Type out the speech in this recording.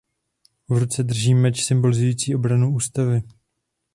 V ruce drží meč symbolizující obranu ústavy.